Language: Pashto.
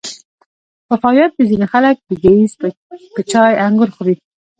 په فاریاب کې ځینې خلک د ګیځ په چای انګور خوري.